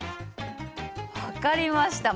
分かりました。